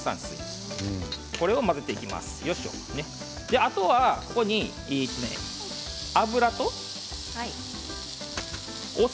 あとは、ここに油とお酢。